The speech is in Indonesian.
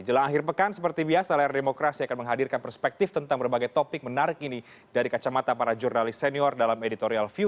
jelang akhir pekan seperti biasa layar demokrasi akan menghadirkan perspektif tentang berbagai topik menarik ini dari kacamata para jurnalis senior dalam editorial view